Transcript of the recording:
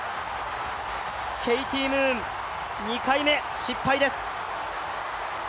ケイティ・ムーン、２回目失敗です。